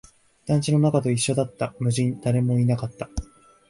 団地の中と一緒だった、無人、誰もいなかった